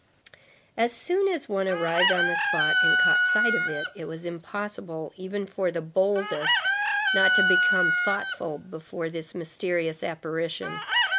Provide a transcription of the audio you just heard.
As soon as one arrived on the spot, and caught sight of it, it was impossible, even for the boldest, not to become thoughtful before this mysterious apparition.